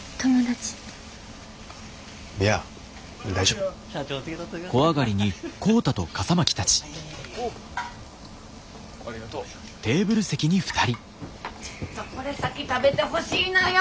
ちょっとこれ先食べてほしいのよ。